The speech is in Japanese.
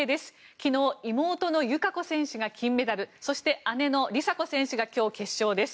昨日、妹の友香子選手が金メダルそして、姉の梨紗子選手が今日、決勝です。